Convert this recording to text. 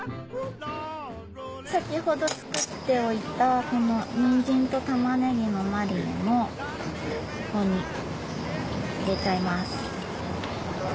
先ほど作っておいたこのニンジンとタマネギのマリネもここに入れちゃいます。